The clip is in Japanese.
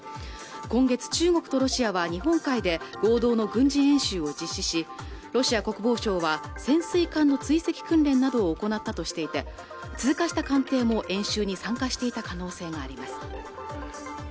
今月中国とロシアは日本海で合同の軍事演習を実施しロシア国防省は潜水艦の追跡訓練などを行ったとしていて通過した艦艇も演習に参加していた可能性があります